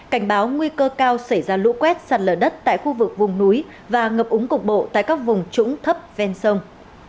cảnh báo nguy cơ cao xảy ra lũ quét sạt lở đất tại khu vực vùng núi và ngập úng cục bộ tại các vùng trũng thấp ven sông